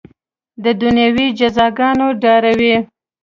د دنیوي جزاګانو ډاروي.